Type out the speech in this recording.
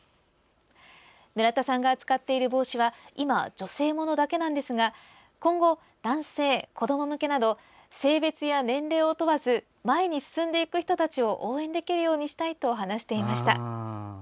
村田さんが扱っている帽子は今、女性ものだけなんですが今後、男性・子ども向けなど性別や年齢を問わず前に進んでいく人たちを応援できるようにしたいと話していました。